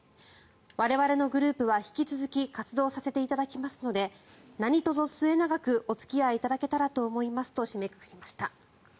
我々のグループは引き続き活動させていただきますのでなにとぞ末永くお付き合いいただけたらと思いますと締めくくりました。